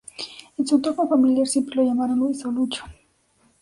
En su entorno familiar siempre lo llamaron Luis o Lucho.